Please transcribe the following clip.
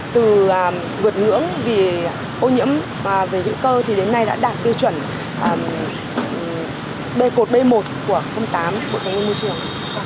từ vượt ngưỡng vì ô nhiễm và về dự cơ thì đến nay đã đạt tiêu chuẩn b một của tám bộ tài nguyên môi trường